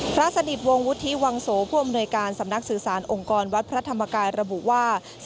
พระสนิทวงวุฒิวังโสผู้อำนวยการสำนักสื่อสารองค์กรวัดพระธรรมกายระบุว่า